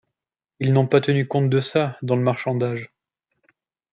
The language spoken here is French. Ils n’ont pas tenu compte de ça, dans le marchandage.